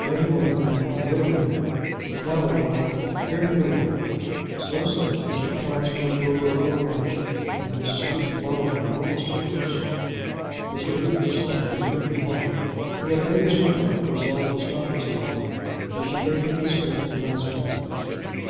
"Wait a moment, ma'am; wait a moment. Now we're right; here to the left." So saying Mr. Price jumped over a low hedge, and Mrs. Houghton followed him, almost too closely. Mr. Houghton saw it, and didn't follow. He had made his way up, resolved to stop his wife, but she gave him the slip at the last moment.